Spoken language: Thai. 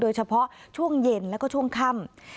โดยเฉพาะช่วงเย็นแล้วก็ช่วงค่ำ